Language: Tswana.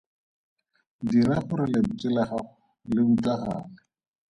Dira gore lentswe la gago le utlwagale!